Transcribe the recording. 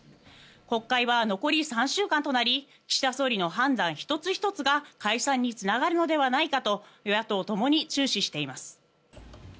国会は残り３週間となり岸田総理の判断１つ１つが解散につながるのではないかと与野党ともに注視しています。